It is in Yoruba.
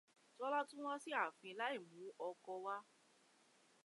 Tọ́lá tún wá sí ààfin láìmú ọkọ wá.